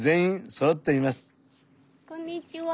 こんにちは。